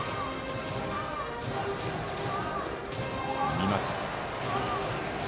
見ます。